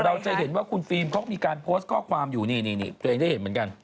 เราจะเห็นว่าคุณฟิล์มเขามีการโพสต์ข้อความอยู่นี่ตัวเองได้เห็นเหมือนกัน